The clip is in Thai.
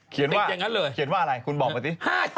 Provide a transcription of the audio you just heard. เขียนว่าอะไรคุณบอกมาสิ